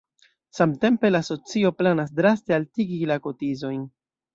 Samtempe la asocio planas draste altigi la kotizojn.